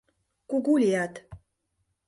Кугу лият.